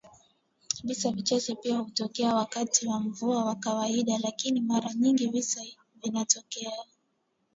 Visa vichache pia hutokea wakati wa mvua ya kawaida lakini mara nyingi visa vinavyotokea